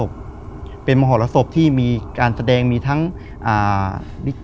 คือก่อนอื่นพี่แจ็คผมได้ตั้งชื่อเอาไว้ชื่อเอาไว้ชื่อเอาไว้ชื่อเอาไว้ชื่อ